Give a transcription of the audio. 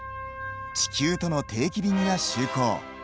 地球との定期便が就航。